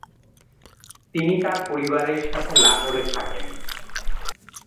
তিনি তার পরিবারের সাথে লাহোরে থাকেন।